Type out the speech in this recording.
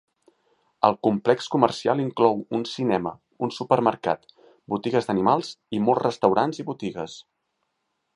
El complex comercial inclou un cinema, un supermercat, botigues d'animals i molts restaurants i botigues.